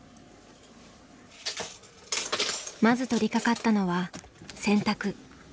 まず取りかかったのは洗濯。